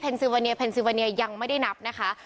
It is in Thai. ซิวาเนียเพนซิวาเนียยังไม่ได้นับนะคะ